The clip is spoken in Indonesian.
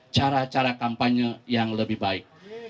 cara cara kampanye yang lebih baik